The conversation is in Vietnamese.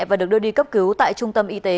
và được đưa đi cấp cứu tại trung tâm y tế